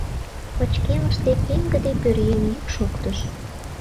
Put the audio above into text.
- пычкемыште пеҥгыде пӧръеҥ йӱк шоктыш.